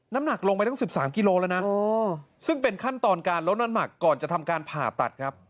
น้ำหนักลงไปตั้ง๑๓กิโลแล้วนะซึ่งเป็นขั้นตอนการลดน้ำหมักก่อนจะทำการผ่าตัดครับ